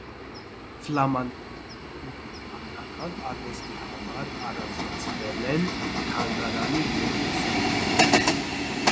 Ֆլամանադական և հոլանդական արվեստի համար առանձնացվել է թանգարանի երկու սրահ։